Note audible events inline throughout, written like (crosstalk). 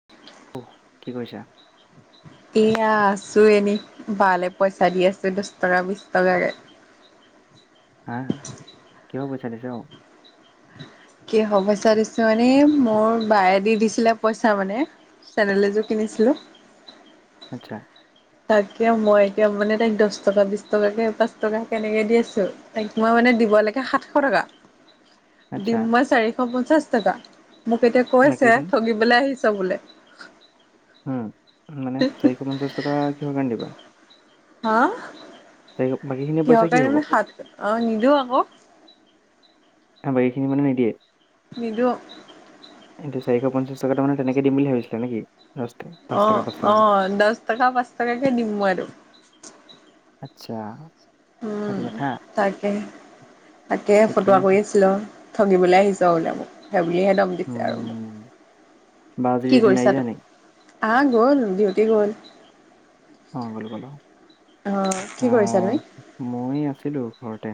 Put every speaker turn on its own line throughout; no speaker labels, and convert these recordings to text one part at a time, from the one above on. (inaudible)
উহ। কি কৰিছা?
(inaudible) এইয়া আছোঁ এনেই। বালে পইচা দি আছে দছ টকা, বিছ টকাকে
হা। হা। কিহৰ পইচা দিছা অ'?
কিহৰ পইচা দিছো মানে, এই মোৰ বায়ে দি দিছিলে পইচা মানে চেন্ডেল এযোৰ কিনিছিলোঁ।
আচ্ছা।
তাকে মই এতিয়া মানে তাইক দছ টকা, বিশ টকাকে, পাঁচ টকা তেনেকে দি আছো। তাইক মই মানে দিব লাগে সাতশ টকা।
আচ্ছা
দিম মই চাৰিশ -পঞ্চাশ টকা। মোক এতিয়া কৈছে-
বাকীখিনি
ঠগিবলৈ আহিছ বোলে।
উম। মানে চাৰিশ পঞ্চাছ টকা কিহৰ কাৰণে দিবা?
হা?
চাৰিশ। বাকীখিনি পইচা
কিহৰ
কি
কাৰণে
হ'ব
মানে সাত, অঁ নিদিওঁ আকৌ।
বাকীখিনি মানে নিদিয়ে?
নিদো।
এটো চাৰিশ পঞ্চাছ টকাটো মানে তেনেকে দিম বুলি ভাবিছিলা। নে -কি?
অ'। অ'। দছ টকা, পাঁচ টকাকে দিম মই আৰু।
আচ্ছা। সেইটো
উম।
কথা
তাকেহ। তাকে
ঠিকে
ফটোৱো
আছে
কৰি আছিলো। ঠগিবলৈ আহিছঁ বোলে মোক। সেইবুলিহে দম দিছে আৰু মোক।
উম বা আজি
কি
ডিউটি নাই
কৰিছা
যোৱা নি
তুমি? হা গ'ল। ডিউটি গ'ল।
অঁ গ'লো। গ'লো।
অ কি কৰিছা তুমি?
মই আছিলোঁ ঘৰতে।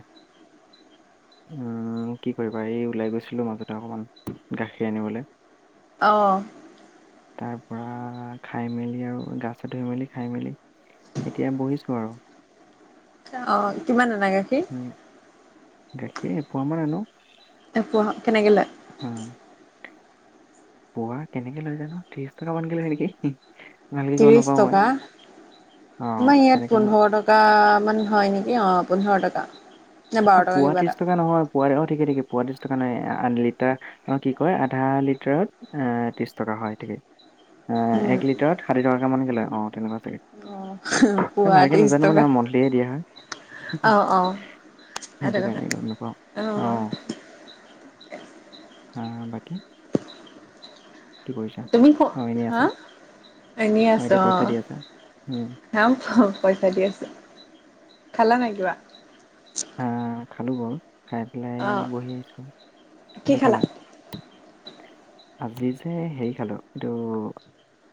উম। কি কৰিবা, এই ওলাই গৈছিলোঁ মাজতে অকণমান। গাখীৰ আনিবলৈ।
অহ।
তাৰ পৰা খাই মেলি আৰু, গা -চা ধুই মেলি, খাই মেলি এতিয়া বহিছোঁ আৰু।
অ' কিমান আনা গাখীৰ?
উম। গাখীৰ এপোৱামান আনো।
এপোৱা কেনেকে লয়?
উম। পোৱা কেনেকে লৈ জানো! ত্ৰিশ টকা মানকে লয় নেকি! ভালকে গম
ত্ৰিছ
নাপাওঁ মই
টকা।
অ
আমা ইয়াত
তেনেকে ম-
পোন্ধৰ টকা টকামান হয় নেকি, অঁহ। পোন্ধৰ টকা। নে বাৰ
অ'
টকা
পোৱা
কিবা এটা
ত্ৰিশ টকা নহয় পোৱাৰে। অহ। ঠিক। ঠিকে। পোৱা ত্ৰিছ টকা নহয়। আ লিটাৰ, অ কি কয় আধা লিটাৰত এ ত্ৰিছ টকা হয়, ঠিকে।
উম
এক লিটাৰত ষাঠি টকামানকে লয়। অঁ তেনেকুৱা
অ
চাগে।
পুৱা
ভালকে
ত্ৰিছ
নাজানো মানে। মন্থলিয়ে দিয়া হয়।
অহ।
সেইটো কাৰণে গম নাপাওঁ অঁ বাকী কি কৰিছা
তুমি ফো
অ এনেই
হা
আছা
এনেই আছো
এতিয়া
অ
পইচা দি আছা। উম,
হ পইচা দি আছো খালা নাই কিবা
হা খালোঁ বাৰু খাই পেলাই
অঁ
বহি আছো তুমি খালা? আজি যে হেৰি খালো এইটো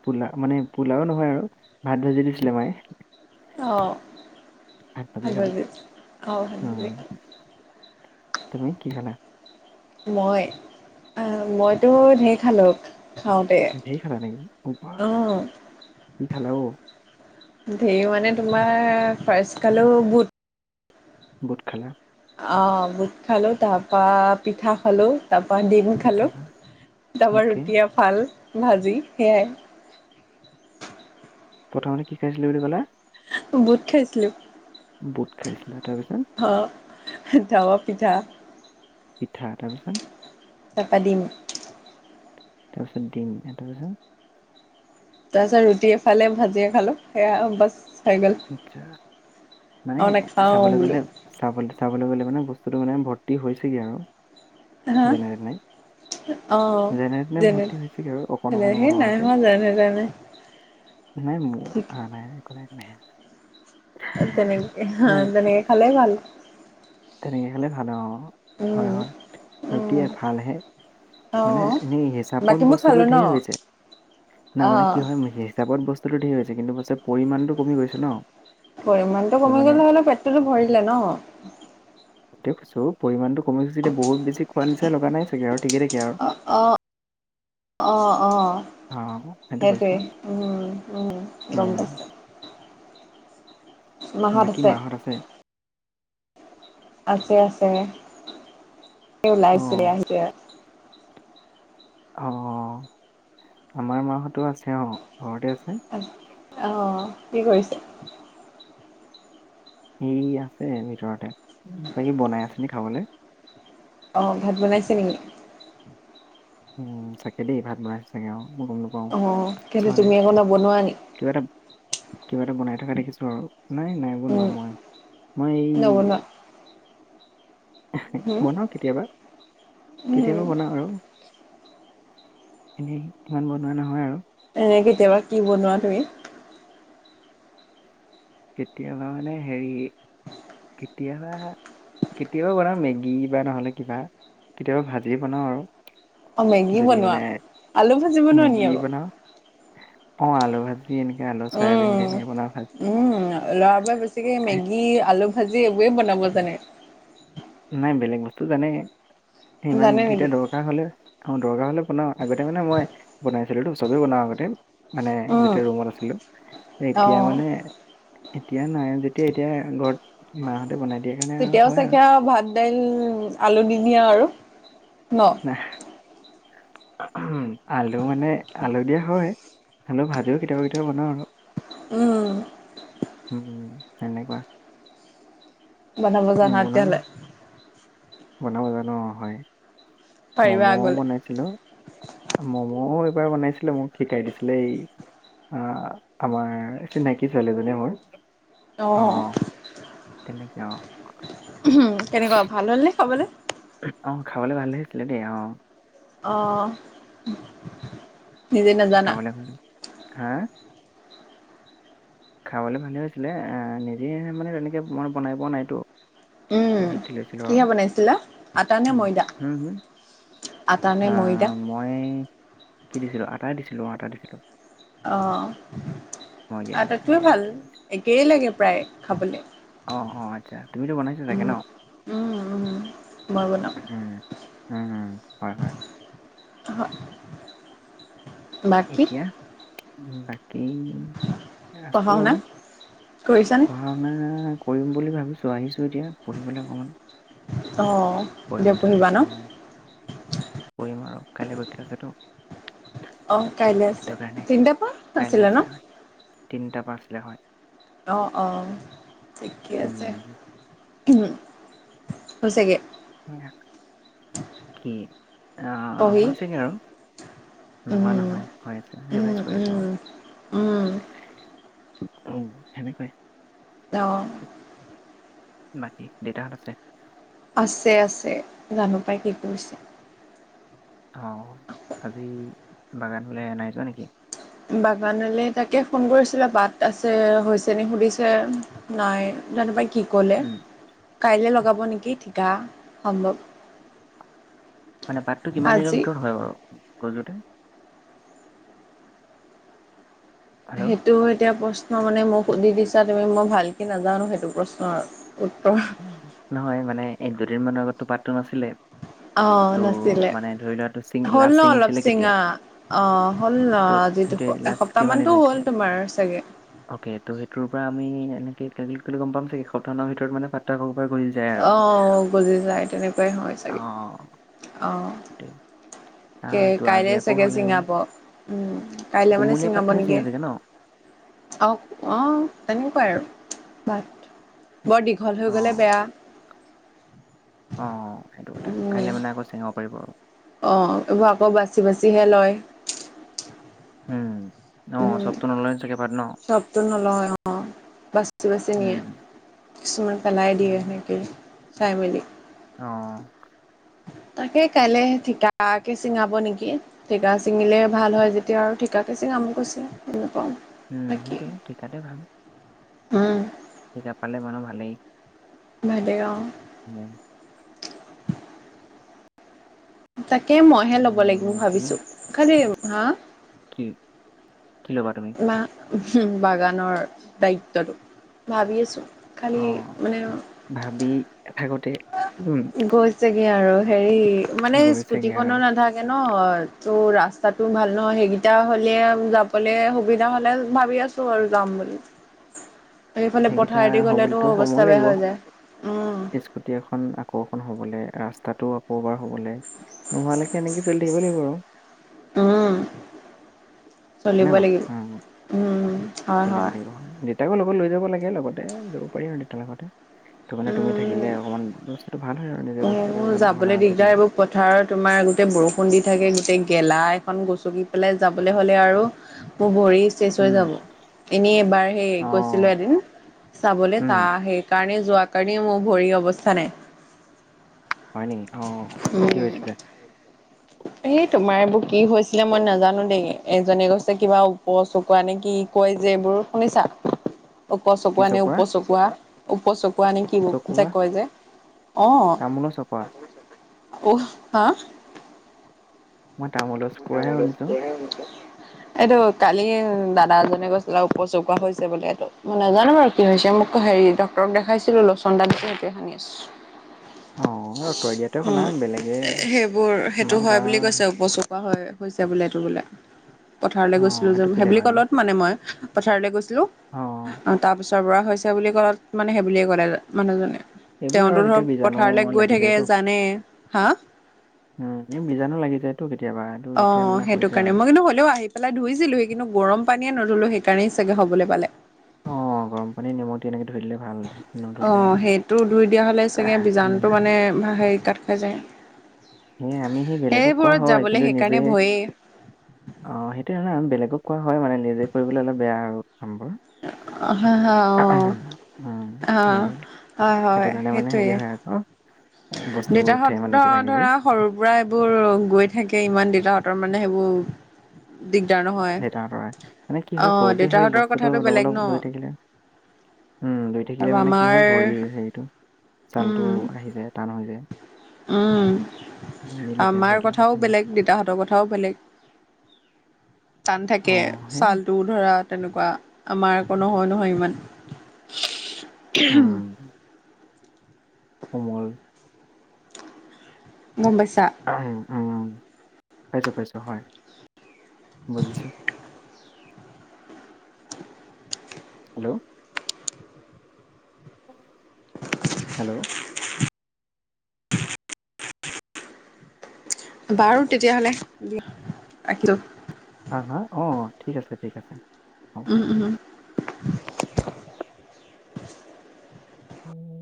পোলা মানে পোলাও নহয় আৰু ভাত ভাজি দিছিলে মায়ে
অ ভাত ভাজি দিছিলে অ ভাত
উম,
ভাজি
তুমি কি খালা
মই মইতো ঢেৰ খালো খাওতে
ঢেৰ খালা নেকি? অ বাহঃ কি খালা অ
ঢেৰ মানে তোমাৰ ফাৰ্ষ্ট খালো বুট
বুট খালা
অঁ বুট খালোঁ তাৰপৰা পিঠা খালোঁ তাৰপৰা ডিম
পিঠা
খালোঁ
খালা,
তাৰপৰা
অ'কে।
ৰুটি এফাল ভাজি সেয়াই
প্ৰথমতে কি খাইছিলা বুলি কলা
বুট খাইছিলো
বুট খাইছিলা তাৰপিছত
অ তাৰপৰা পিঠা
পিঠা তাৰপিছত
তাৰপৰা ডিম
তাৰপিছত ডিম তাৰ পিছত
তাৰপিছত ৰুটি এফালে ভাজিয়ে খালো সেয়া বাছ হৈ গ'ল
আচ্ছা (unintelligible) মানে
আৰু নাখাওঁ
চাবলৈ
বোলো
গ'লে চাবলৈ চাবলৈ গ'লে মানে বস্তুটো মানে ভৰ্তি হৈছেগৈ আৰু
হা
জনে (unintelligible) নাই
অ
যেনে তেনে ভৰ্তি হৈছেগে আৰু অকণ
তেনে
অকণ
সেই নাই
অকণকে
হোৱা যেনে তেনে
নাই মোৰ আহা নাই একো নাই একো নাই
তেনেকে হা তেনেকে খালে ভাল
তেনেক খালে ভাল আৰু অ হয়
উম
হয়
উম
ৰুটি এফালহে
অ
মানে এনেই হিচাপত
বাকীবোৰ খালো
বস্তুতটো
ন
ঢেৰ হৈছে নাই
অ
মানে কি হয় হিচাপত বস্তুটো ঢেৰ হৈছে কিন্তু পিছে পৰিমাণটো কমি গৈছে ন
পৰিমাণটো
ত
কমি
মানে
গ'লে হলে পেটটোতো ভৰিলে ন
সেটোৱে কৈছো পৰিমানটো কম গৈছে যেতিয়া বহুত বেছি খোৱা নিচানা লগা নাই চাগে আৰু ঠিকে ঠাকে আৰু
অ অ অ অ
অ সেইটো কৰিছো
সেইটোৱে উম উম গম
উম
পাইছো
বাকী মা হত আছে?
আছে আছে এ
অ
ওলাইছিলে আহিছে
অঁ', আমাৰ মা হঁতো আছে অঁ', ঘৰতে আছে।
অঁ', কি কৰিছে?
এই আছে ভিতৰতে কিবা কিবি বনাই আছে নেকি খাবলৈ।
অঁ', ভাত বনাইছে নেকি?
উম, চাগে দেই ভাত বনাইছে চাগে অ মই গম নাপাওঁ
অ', কেলে
চোৱা নাই
তুমি আকৌ নবনোৱা নেকি?
কিবা এটা কিবা এটা বনাই থকা দেখিছোঁ আৰু নাই নাই
উম
বনোৱা মই মই এই
নবনোৱা হম
বনাওঁ কেতিয়াবা কেতিয়াবা
উম,
বনাওঁ আৰু এনেই ইমান বনোৱা নহয় আৰু
এনে কেতিয়াবা কি বনোৱা তুমি?
কেতিয়াবা মানে হেৰি কেতিয়াবা কেতিয়াবা বনাওঁ মেগী বা নহ'লে কিবা কেতিয়াবা ভাজিয়ে বনাওঁ আৰু
অ' মেগী
যদি
বনোৱা?
মানে
আলু ভাজি বনোৱা নি
মেগী
আকৌ?
বনাওঁ। অ', আলু ভাজি এনেকে আলু চয়াবিন দি
উম।
এনেকে বনাও ভাজি।
ল'ৰাবোৰে বেছিকে মেগী আলু ভাজি এইবোৰেই বনাব জানে।
নাই বেলেগ বস্তু জানে ইমান
জানে
যেতিয়া
নেকি?
দৰকাৰ হলে অ', দৰকাৰ হলে বনাও আগতে মানে মই বনাইছিলো টো চবে বনাও আগতে। মানে
উম,
যেতিয়া ৰুমত আছিলো, এতিয়া
অ'
মানে এতিয়া নাই যেতিয়া এতিয়া ঘৰত মা হতে, বনাই দিয়া কাৰনে
তেতিয়াও চাগে আৰু ভাত দাইল আলু দি দিয়া আৰু ন'।
উ, আলু মানে আলু দিয়া হয়। হলেও ভাজিও কেতিয়াবা-কেতিয়াবা বনাও আৰু।
উম,
উম, তেনেকুৱা।
বনাব জানা
নবনোৱা
তেতিয়াহলে।
নহয় বনাব জানো হয়,
পাৰিবা
ম'ম'ও
আগলে।
বনাও ছিলো ম'ম'ও এইবাৰ বনাইছিলো মোক সিকাই দিছিলে, এই অ', আমাৰ চিনাকি ছোৱালী এজনীয়ে মোৰ। অ', তেনেকে অ',
কেনেকুৱা ভাল হ'লনে খাবলে?
অ', খাবলে ভলে হৈছিলে দেই অ'
অ', নিজে নাজানা?
(unintelligible) হা খাবলৈ ভালেই হৈছিলে, নিজে মানে তেনেকৈ মই বনাই পোৱা নাইতো। ত'
উম,
শিকি লৈছিলো আৰু
কিহে বনাইছিলা আটা নে
সেনেকে
ময়দা?
হম হম
আটা নে ময়ডা?
আহ মই কি দিছিলোঁ আটাই দিছিলোঁ অ', আটা দিছিলোঁ।
অ',
দিয়া নাই
আতাতোৱে
আইডিয়া
ভাল
এটা দিছিলো
একেই লাগে প্ৰায় খাবলে।
অঁ', অঁ', আচ্ছা তুমিতো বনাইছা চাগে ন'?
উম, উম, মই বনাওঁ।
উম, উম, হয়-হয়।
অ',
এতিয়া বাকী
পঢ়া
আছোঁ
শুনা
আৰু
কৰিছানে?
পঢ়া শুনা কৰিম বুলি ভাবিছোঁ, আহিছোঁ এতিয়া পঢ়িবলে অকণমান।
অ', এতিয়া
পঢ়িমতে লাগ
পঢ়িবা ন?
পঢ়িম আৰু কাইলৈ পৰীক্ষা আছেতো।
অ, কাইলে আছে
সেইটো কাৰণে
তিনতা পা আছিলে ন?
তিনিটাৰ পা আছিলে হয়।
অ, অ, ঠিকে আছে
উম
হৈছেগে।
কি
পঢ়ি
হৈছেগে আৰু। নহোৱা
উম,
নহয় হৈ আছে
উম,
ৰিভাইজ কৰিছোঁ আৰু।
উম, উম,
অ, সেনেকুৱাই
অ',
বাকী দেউতাহত আছে।
আছে-আছে জানো পাই কি কৰিছে?
অ, আজি বাগান বোলি নাই যোৱা নেকি?
বাগানলে তাকে ফোন কৰিছিলে বাট আছে হৈছে নি সুধিছে। নাই জানো পাই কি কলে
উম
কাইলে লগাব নেকি ঠিকা সম্ভৱ।
মানে পাতটো কিমান দিনৰ
আজি
ভিতৰত হয় বাৰু গজোঁতে। হেল্ল'
সেইটোও এতিয়া, মই মানে, মোক সুধি দিছা তুমি মই ভালকৈ নাজানোঁ সেইটো প্ৰশ্নৰ আৰু, উত্তৰ।
নহয় মানে, এক, দুদিন মানৰ আগতটো পাঠটো নাছিলে।
অ',
ত'
নাছিলে
মানে ধৰি লোৱাটো ছিঙি
হ'ল
লাষ্ট
ন ', অলপ
ছিঙিছিলে কেতিয়া
চিঙা, অ', হ'ল
ত'
ন'। যিটো
সেইটোৱে লাষ্ট কিমান
এসপ্তাহমানটো
দিন
হ'ল,
হৈছিলে
তোমাৰ চাগে।
অকে ত' সেইটোৰ পৰা আমি এ (unintelligible) গম পাম চাগে সপ্তাহৰ ভিতৰত মানে ফা
অঁ, গুজি যায়, তেনেকুৱাই হয়
অ
চাগে, অঁ।
সেইটোৱে আহ ত' আজি
কাইলে
আকৌ
চাগে
হ'লে মানে
চিঙাব, উম, কাইলে মানে
কুমলীয়া
চিঙাব
পাতটোহে
নেকি?
ছিঙে চাগে ন?
অঁ অঁ, তেনেকুৱাই আৰু বাট, বৰ দীঘল হৈ গ'লে
অ',
বেয়া।
অঁ অঁ, সেইটো কথা,
উম
কাইলৈ মানে আকৌ চিঙাব পাৰিব আৰু।
অ', এইবোৰ আকৌ বাচি বাচিহে লয়।
অঁ, চবটো নল চাকে পাৰ ন (unintelligible)
চবটো নলয় অ', বাছি, বাছি নিয়ে।
উম,
কিছুমান পেলাই দিয়ে,
উম
চাই মেলি।
অঁ।
তাকে কাইলে ঠিকাকে, চিঙাব নেকি? ঠিকা চিঙিলে ভাল হয় যেতিয়া, আৰু ঠিকাকে চিঙাম কৈছে,
উম, সেইটোৱে ঠিকাতে ভাল।
হম।
ঠিকাত পালে মানুহ ভালেই।
ভালে অ'।
(unintelligible)
তাকে মইহে ল'ব লাগিব
উম, তুমি
ভাবিছোঁ, খালি হা
কি, কি ল'বা তুমি?
বাগানৰ দায়িত্বটো, ভাবি আছোঁ। খালী
অ',
মানে
ভাবি থাকোঁতে, উম।
গৈছেগে আৰু, হেৰি মানে স্কুটি
গৈছেগে আৰু
খনো নাথাকে ন', ত' ৰাস্তাটো ভাল নহয় সেইকেইটা হ'লে যাবলৈ সুবিধা হ'লে ভাবি আছোঁ। আৰু যাম বুলি। সেইফালে
সেইকেইটা
পথাৰেদি গ'লেটো
হ'বলেতো সময়
অৱস্থা বেয়া
লাগিব।
হৈ যায়, উম।
স্কুটি এখন আকৌ এখন হ'বলৈ, ৰাস্তাতটো আকৌ এবাৰ হ'বলৈ নোহোৱালৈকে, এনেকে চলি থাকিব লাগিব আৰু।
উম, চলিব
হয়নে বাৰু?
লাগিব।
উম।
উম হয়
হয়, দেউতাকো লগত লৈ যাব লাগে লগতে, যাব পাৰি আৰু দেউতাৰ লগতে। ত ', মানে তুমি থাকিলে
উম
অকণমান বস্ত্তটো ভাল হয় আৰু, নিজে বস্তুটো
মোৰ
জনা
যাবলৈ
শুনা
দিগদাৰ
আজিকালি
এইবোৰ পথাৰত তোমাৰ গোটেই বৰষুণ দি থাকে, গোটেই গেলা, এখন গচকি পেলাই যাবলৈ হ'লে আৰু মোৰ ভৰি চেচ হৈ
উম
যাব, এনেই এবাৰ সেই
অ
গৈছিলোঁ এদিন, চাবলৈ
উম
তাৰ সেই সেইকাৰণে যোৱা কাৰণেই, মোৰ ভৰি অৱস্থা নাই।
হয় নেকি, অ', কি
উম
হৈছিলে?
এই তোমাৰ এইবোৰ কি হৈছিলে মই নাজানোঁ দেই, এজনে কৈছে কিবা ওপ চকুৱা নে কি কয় যে এইবোৰ শুনিছাঁ, ওপ
কি
চকুৱা নে,
চপোৱা
উপ চকুৱা উপ চক কোৱা নেকি,
চকোৱা
যে কয় যে, অ',
তামোলৰ চপোৱা
উ, হা
মই তামুলত
গামলে ম (unintelligible) এইটো কালি দাদা এজনে কৈছিলে, উপ চকুৱা হৈছে বোলে এইটো, মই নাজানো বাৰু কি হৈছে মোক হেৰি, ডক্তৰক দেখাইছিলোঁ, লোচন দাক যে, সেইটোৱে সানি আছোঁ।
অ তই দিয়াতে শুনা
উম,
বেলেগে
সেইবোৰ সেইটো
আমাৰ
হয় বুলি কৈছে,
গাঁৱৰ
উপ কোৱা হয় হৈছে বোলে এইটো বোলে, পথাৰলৈ
অ
গৈছিলোঁ যে
সেইটো কেলে
সেইবুলি
হয়
ক'লত মানে মই, পথাৰলৈ গৈছিলোঁ
অ
তাৰ পিছৰ পৰা হৈছে বুলি ক'লত মানে সেইবুলিয়ে ক'লে মানুহজনে।
এইবোৰে
তেওঁতো
আৰু কেতিয়া
ধৰক
বীজাণু
পথাৰলৈ গৈ
লাগি
থাকে
যায়তো
জানে, হা
উম, বীজাণু লাগি যায়তো কেতিয়াবা। এতিয়া
অ',
মানে
সেইটো
হৈছে
কাৰণে
আৰু
মই কিন্তু হ'লেও আহি পেলাই ধুইছিলো হি কিন্তু, গৰম পানীয়ে নধলো সেইকাৰণেই চাগে হব পালে।
অ', গৰম পানীত নিমখ দি এনেকে ধুই দিলে। ভাল
অ',
নধুলে
সেইটো ধুই দিয়া হ'লে চাগে বীজাণুটো মানে হেৰি কাত খাই যায়।
এ আমি হে বেলেগক কোৱা
সেইবোৰত
হয়,
যাবলৈ
কিন্তু
সেইকাৰণে
নিজেহে
ভয়েই
অ', সেইটোৱে হয় আমি বেলেগক কোৱা হয়, মানে নিজে কৰিবলৈ অলপ বেয়া আৰু কামবোৰ।
হা, হা, অ',
উম, সেই
অ'। হয়,
সেইটো
হয়
কাৰণে মানে
সেইটোৱে,
হেৰি হয় আকৌ এ, বস্তুবোৰ উঠে মানে
দেউতাহঁত
কিবা কিবি
ধৰা সৰু পুৰা এইবোৰ গৈ থাকে। ইমান দেউতাহঁতৰ মানে সেইবোৰ দিগদাৰ নহয়
দেউতাহঁতৰ হয়। মানে কি হয়
অ'
সৰুতে সেই
দেউতাহঁতৰ
বস্তুটো
কথাটো
অলপ,
বেলেগ ন
অলপ লৈ থাকিলে উম, ধুই
আৰু
থাকিলে মানে কি
আমাৰ
হয়, ভৰিৰ হেৰিটো
উম
ছালতটো আহি যায় টান হৈ যায়।
উম,
উম, মিলি যায়
আমাৰ
ভৰিৰ লগত
কথাও
উম
বেলেগ, দেউতাহঁতৰ কথাও বেলেগ। টান থাকে
অঁ সেই
ছালটো। ধৰা তেনেকুৱা, আমাৰ আকৌ নহয়, নহয় ইমান।
(unintelligible) কোমল।
গম পাইছা।
উম, পাইছোঁ, পাইছোঁ, হয় বুজিছোঁ। হেল্ল'। হেল্ল'।
বাৰু তেতিয়াহ'লে দিয়া ৰাখছোঁ।
হা, হা, অ', ঠিক আছে, ঠিক আছে।
উম, উম।
(unintelligible)